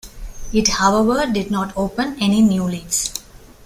It however did not open any new leads.